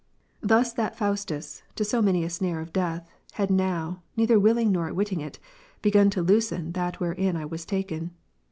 Thus that Faustus, to so many a snare of death, had now, neither willing nor witting it, begun to loosen that wherein I was taken.